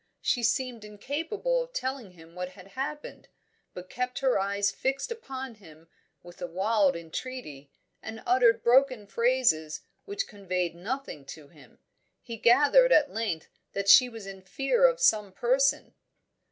She seemed incapable of telling him what had happened, but kept her eyes fixed upon him in a wild entreaty, and uttered broken phrases which conveyed nothing to him; he gathered at length that she was in fear of some person.